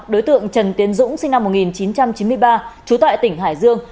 đối tượng trần tiến dũng sinh năm một nghìn chín trăm chín mươi ba trú tại tỉnh hải dương